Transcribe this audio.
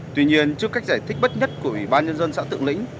tuy nhiên trước cách giải thích bất nhất của ủy ban nhân dân xã tượng lĩnh